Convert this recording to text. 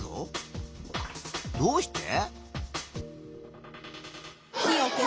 どうして？